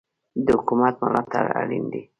د حکومت ملاتړ اړین دی.